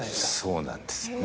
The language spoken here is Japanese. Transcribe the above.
そうなんですよね。